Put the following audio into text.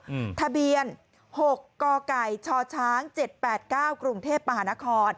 อืมทะเบียนหกกชชเจ็ดแปดเก้ากรุงเทพมหานคร